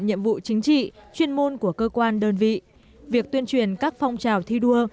nhiệm vụ chính trị chuyên môn của cơ quan đơn vị việc tuyên truyền các phong trào thi đua